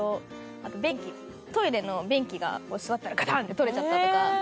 あとトイレの便器が座ったらガタンって取れちゃったとか。